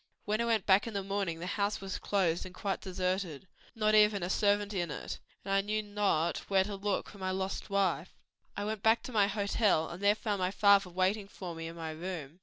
When I went back in the morning the house was closed and quite deserted; not even a servant in it, and I knew not where to look for my lost wife. "I went back to my hotel and there found my father waiting for me in my room.